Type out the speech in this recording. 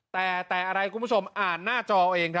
แต่อะไรคุณผู้ชมอ่านหน้าจอเอง